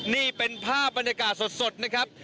นี่เป็นภาพบรรยากาศสดนะครับ